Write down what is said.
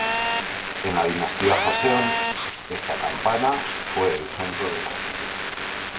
En la Dinastía Joseon, esta campana fue el centro del castillo.